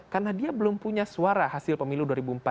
karena dia belum punya suara hasil pemilu dua ribu empat belas